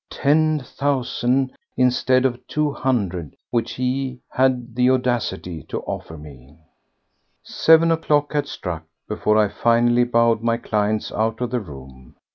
Ten thousand, instead of two hundred which he had the audacity to offer me! Seven o'clock had struck before I finally bowed my clients out of the room.